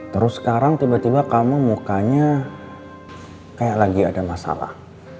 terus sekarang tiba tiba kamu mukanya kayak lagi ada masalah